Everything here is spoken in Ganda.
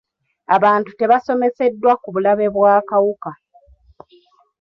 Abantu tebasomeseddwa ku bulabe bw'akawuka.